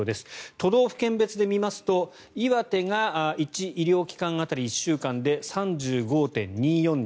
都道府県別で見ますと岩手が１医療機関当たり１週間で３５．２４人